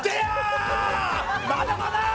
まだまだ！